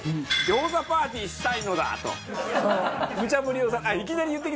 「餃子パーティーしたい」っつって。